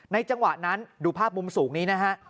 จังหวะนั้นดูภาพมุมสูงนี้นะฮะ